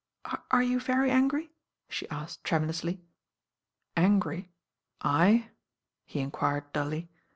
Are vou very angry?" she asked tremulously. ^" Angry I I?" he enquired dully.